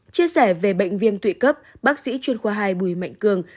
chia sẻ về bệnh viêm tụy cấp bác sĩ chuyên khoa hai bùi mạnh cường